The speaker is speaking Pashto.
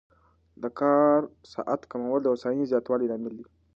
د کار ساعت کمول د هوساینې زیاتوالي لامل دی.